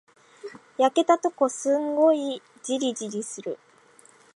焼けたとこ、すんごいじりじりする。